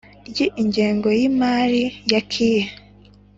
Ry ingengo y imari ya kie